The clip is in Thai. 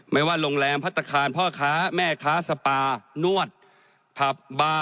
ไม่ว่าโรงแรมพัฒนาคารพ่อค้าแม่ค้าสปานวดผับบาร์